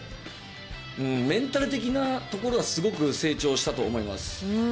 メンタル的なところはすごく成長したと思います。